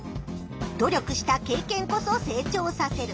「努力した経験こそ成長させる」。